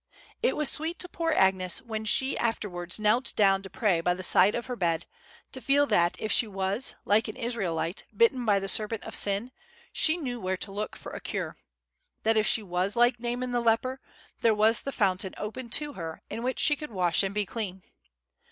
It was sweet to poor Agnes, when she afterwards knelt down to pray by the side of her bed, to feel that if she was, like an Israelite, bitten by the serpent of sin, she knew where to look for a cure; that if she was like Naaman the leper, there was the Fountain open to her, in which she could wash and be clean.